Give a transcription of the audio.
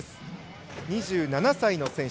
２７歳の選手。